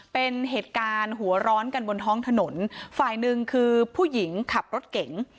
เป็นเหตุการณ์หัวร้อนกันบนท้องถนนฝ่ายหนึ่งคือผู้หญิงขับรถเก๋ง